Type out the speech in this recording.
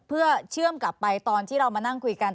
เพื่อเชื่อมกลับไปตอนที่เรามานั่งคุยกัน